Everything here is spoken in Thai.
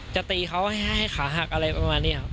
จะตีเขาให้ขาหักอะไรประมาณนี้ครับ